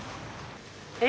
え？